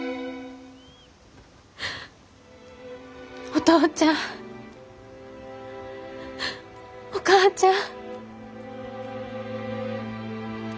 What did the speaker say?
お父ちゃんお母ちゃん。